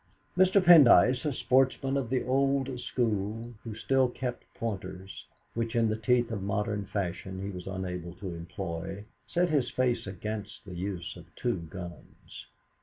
Mr. Pendyce, a sportsman of the old school, who still kept pointers, which, in the teeth of modern fashion, he was unable to employ, set his face against the use of two guns.